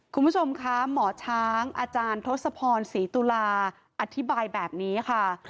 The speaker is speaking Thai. คุณผู้ชมคะหมอช้างอาจารย์ทศพรศรีตุลาอธิบายแบบนี้ค่ะ